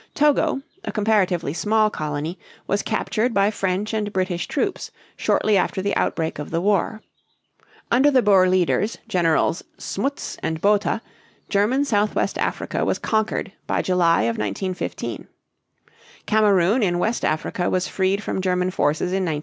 Togo, a comparatively small colony, was captured by French and British troops shortly after the outbreak of the war. Under the Boer leaders, Generals Smuts and Botha, German Southwest Africa was conquered by July of 1915. Kamerun in West Africa was freed from German forces in 1916.